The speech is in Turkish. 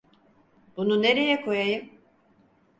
Bunu nereye koyayım?